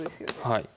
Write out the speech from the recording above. はい。